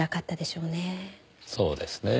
そうですねぇ。